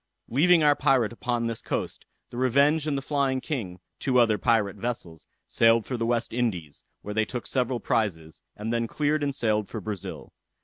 Leaving our pirate upon this coast, the Revenge and the Flying King, two other pirate vessels, sailed for the West Indies, where they took several prizes, and then cleared and sailed for Brazil.